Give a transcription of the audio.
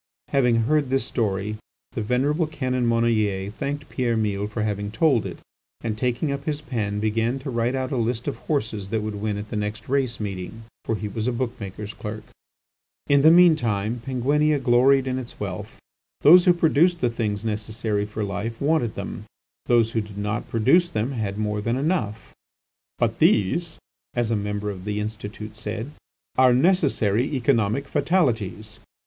Having heard this story the venerable Canon Monnoyer thanked Pierre Mille for having told it, and, taking up his pen, began to write out a list of horses that would win at the next race meeting. For he was a book maker's clerk. In the mean time Penguinia gloried in its wealth. Those who produced the things necessary for life, wanted them; those who did not produce them had more than enough. "But these," as a member of the Institute said, "are necessary economic fatalities."